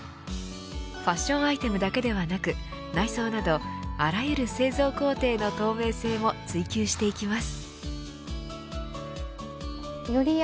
ファッションアイテムだけではなく内装などあらゆる製造工程の透明性も追求していきます。